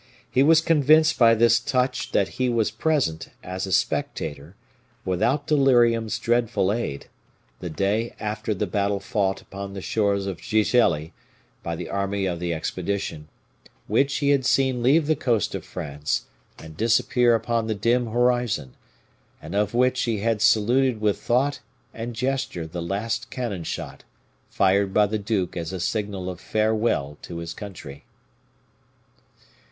He was convinced by this touch that he was present, as a spectator, without delirium's dreadful aid, the day after the battle fought upon the shores of Gigelli by the army of the expedition, which he had seen leave the coast of France and disappear upon the dim horizon, and of which he had saluted with thought and gesture the last cannon shot fired by the duke as a signal of farewell to his country.